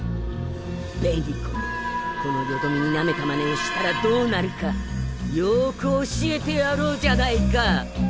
紅子めこのよどみになめたまねをしたらどうなるかよく教えてやろうじゃないか！